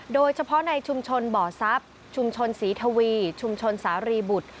โดยเฉพาะในชุมชนบ่อทรัพย์ชุมชนศรีทวีชุมชนสารีบุตร